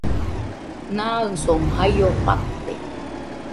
Naɨsomo jaio fate